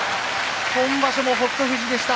今場所も北勝富士でした。